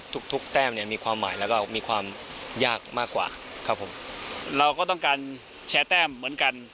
ทุกทุกแต้มเนี่ยมีความหมายแล้วก็มีความยากมากกว่าครับผมเราก็ต้องการแชร์แต้มเหมือนกัน